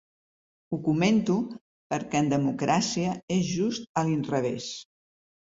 Ho comento perquè en democràcia és just a l’inrevés.